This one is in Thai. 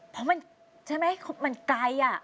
เพราะมันใช่ไหมมันไกล